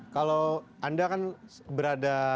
kalau anda kan berada